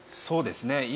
そうですね。